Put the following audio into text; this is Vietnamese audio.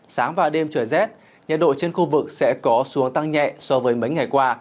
sáng và đêm trời rét nhiệt độ trên khu vực sẽ có xuống tăng nhẹ so với mấy ngày qua